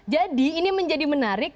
jadi ini menjadi menarik